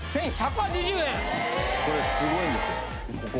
これすごいんですよ。